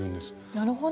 なるほど。